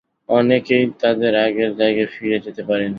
অনেকেই তাদের আগের জায়গায় ফিরে যেতে পারেনি।